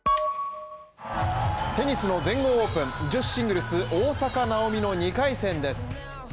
テニスの全豪オープン女子シングルス大坂なおみの２回戦です